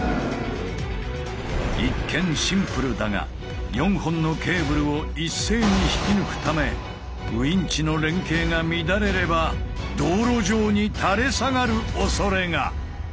一見シンプルだが４本のケーブルを一斉に引き抜くためウインチの連携が乱れれば道路上に垂れ下がるおそれが！